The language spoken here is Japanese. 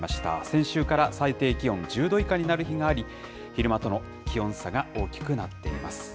先週から最低気温１０度以下になる日があり、昼間との気温差が大きくなっています。